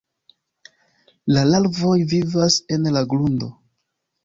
La larvoj vivas en la grundo.